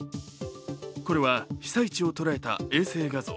これは被災地をとらえた衛星画像。